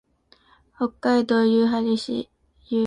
北海道夕張市